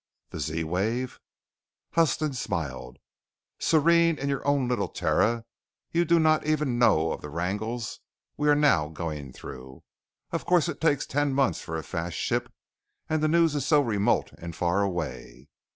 "The Z wave " Huston smiled. "Serene in your own little Terra, you do not even know of the wrangle we are now going through. Of course it takes ten months for a fast ship, and the news is so remote and far away.